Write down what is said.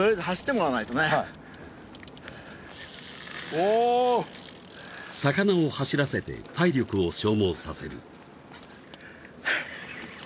はいお魚を走らせて体力を消耗させる